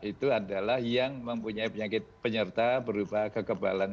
itu adalah yang mempunyai penyakit penyerta berupa kekebalan